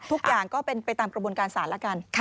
ทุกอย่างก็เป็นไปตามกระบวนการศาลแล้วกัน